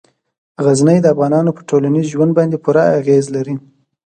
غزني د افغانانو په ټولنیز ژوند باندې پوره اغېز لري.